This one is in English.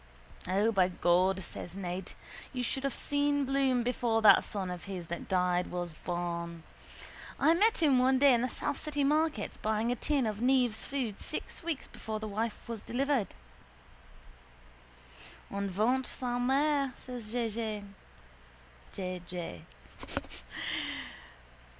—O, by God, says Ned, you should have seen Bloom before that son of his that died was born. I met him one day in the south city markets buying a tin of Neave's food six weeks before the wife was delivered. —En ventre sa mère, says J. J.